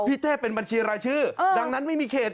เท่เป็นบัญชีรายชื่อดังนั้นไม่มีเขต